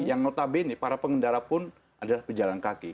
yang notabene para pengendara pun adalah pejalan kaki